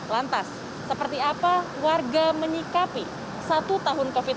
lantas seperti apa warga menyikapi satu tahun covid sembilan belas